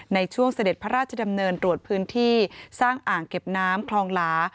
เสด็จพระราชดำเนินตรวจพื้นที่สร้างอ่างเก็บน้ำคลองหลา